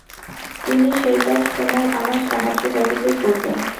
তিনি সেই কাজ তোমার আমার সাহায্য ব্যতিতই করবেন।